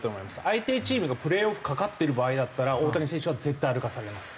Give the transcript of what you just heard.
相手チームがプレーオフ懸かってる場合だったら大谷選手は絶対歩かされます。